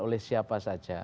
oleh siapa saja